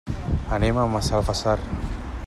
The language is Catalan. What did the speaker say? Anem a Massalfassar.